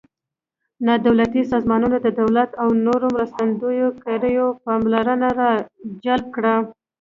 نا دولتي سازمانونو د دولت او نورو مرستندویه کړیو پاملرنه را جلب کړه.